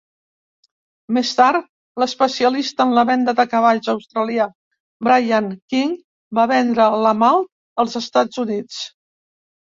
Més tard, l'especialista en la venda de cavalls australià Brian King va vendre la Malt als Estats Units.